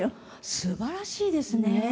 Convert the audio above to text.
すばらしいですね。